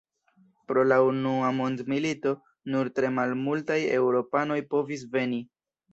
Pro la unua mondmilito nur tre malmultaj Eŭropanoj povis veni.